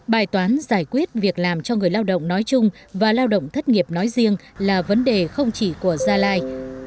bài toán giải quyết việc làm cho người lao động nói chung và lao động thất nghiệp nói riêng là vấn đề không chỉ của gia lai